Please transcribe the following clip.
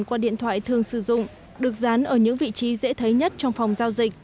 qua điện thoại thường sử dụng được dán ở những vị trí dễ thấy nhất trong phòng giao dịch